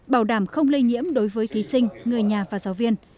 bảo đảm không lây nhiễm đối với thí sinh người nhà và giáo viên